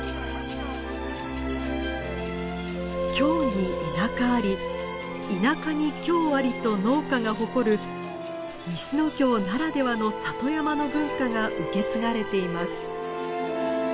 「京に田舎あり田舎に京あり」と農家が誇る西ノ京ならではの里山の文化が受け継がれています。